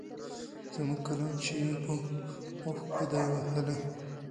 زموږ قلم چي يې په اوښکو دی وهلی